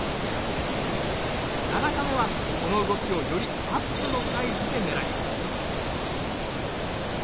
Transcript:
７カメはこの動きをよりアップのサイズでねらいます。